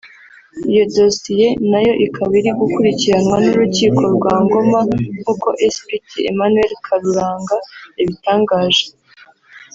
Iyo Dosiye nayo ikaba iri gukurikiranwa n’urukiko rwa Ngoma nk’uko Spt Emmanuel karuranga yabitangaje